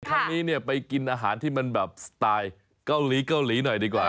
ข้างนี้ไปกินอาหารที่มันสไตล์เกาหลีหน่อยดีกว่า